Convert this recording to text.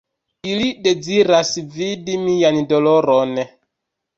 Ili deziras vidi mian doloron.